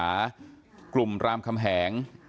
โคศกรรชาวันนี้ได้นำคลิปบอกว่าเป็นคลิปที่ทางตำรวจเอามาแถลงวันนี้นะครับ